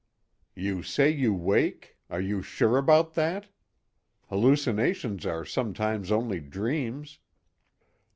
"You say you wake; are you sure about that? 'Hallucinations' are sometimes only dreams."